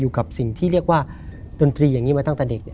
กับสิ่งที่เรียกว่าดนตรีอย่างนี้มาตั้งแต่เด็ก